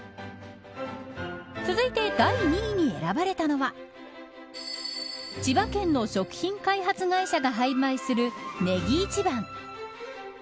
続いて第２位に選ばれたのは千葉県の食品開発会社が販売するネギイチバン。